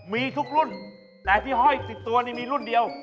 มีทุกรุ่นแต่พี่ห้อยติดตัวนี่มีรุ่นเดียว